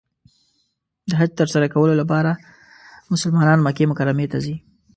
د حج تر سره کولو لپاره مسلمانان مکې مکرمې ته ځي .